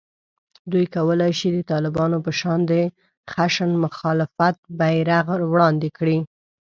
دوی کولای شي د طالبانو په شان د خشن مخالفت بېرغ وړاندې کړي